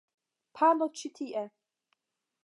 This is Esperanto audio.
Pano ĉi tie!